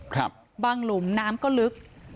บางหลุมน้ำก็ลึก